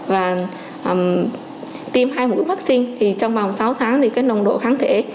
và tiêm hai mũi vắc xin thì trong vòng sáu tháng thì cái nồng độ kháng thể